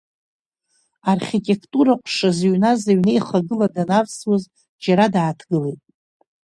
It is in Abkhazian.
Архитектура ҟәша зыҩназ аҩнеихагыла данавсуаз, џьара дааҭгылеит.